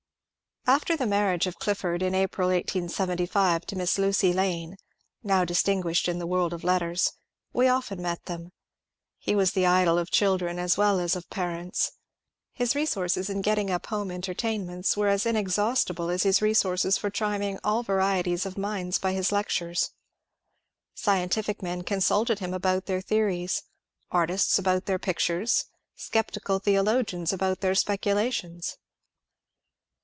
After the marriage of Clifford in April, 1875, to Miss Lucy Lane, — now distinguished in the world of letters, — we often met them. He was the idol of children as weU as of parents. His resources in getting up home entertainments were as inexhaustible as his resources for charming all varieties of minds by his lectures. Scientific men consulted him about their theories, artists about their pictures, scep tical theologians about their speculations.